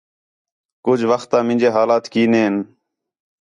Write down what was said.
کُج وخت آ مینجے حالات کینے ہَن